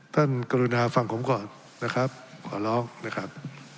กรุณาฟังผมก่อนนะครับขอร้องนะครับ